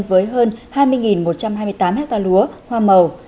với hơn hai mươi một trăm hai mươi tám hectare lúa hoa màu